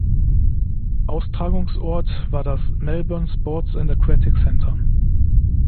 Austragungsort war das Melbourne Sports and Aquatic Centre.